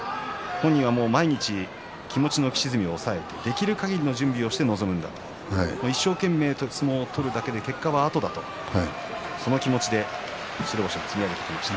本人は毎日、気持ちの浮き沈みを抑えて、できるかぎりの準備をして臨む一生懸命相撲を取るだけで結果はあとだと、その気持ちで白星を積み上げていきました。